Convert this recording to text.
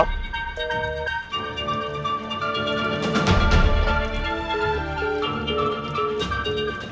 ya udah dok balik